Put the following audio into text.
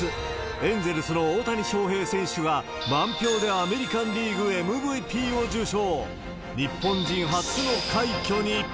エンゼルスの大谷翔平選手が、満票でアメリカンリーグＭＶＰを受賞。